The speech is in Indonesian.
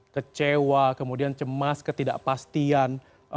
kecewa kemudian cemas ketidakpastian